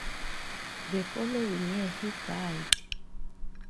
The following year he died.